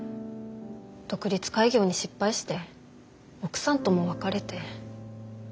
独立開業に失敗して奥さんとも別れて。